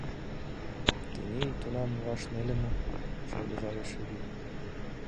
— Тений тунам муаш неле мо? — шыргыжалеш Эдик.